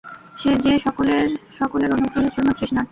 যে সকলের সকলের অনুগ্রহের জন্য তৃষ্ণার্ত।